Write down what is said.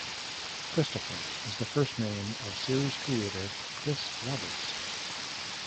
"Christopher" is the first name of series creator Chris Roberts.